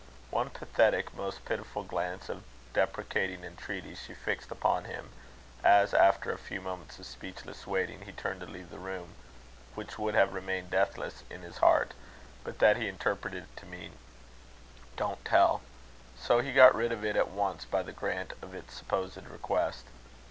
One pathetic, most pitiful glance of deprecating entreaty she fixed upon him, as after a few moments of speechless waiting, he turned to leave the room which would have remained deathless in his heart, but that he interpreted it to mean: "Don't tell;" so he got rid of it at once by the grant of its supposed request.